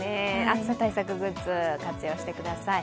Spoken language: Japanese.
厚さ対策グッズ、活用してください。